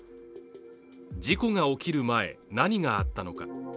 事故が起きる前、何があったのか。